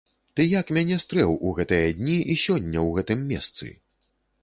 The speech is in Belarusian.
Ты як мяне стрэў у гэтыя дні і сёння ў гэтым месцы?